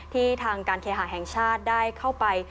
ทางการเคหาแห่งชาติได้เข้าไป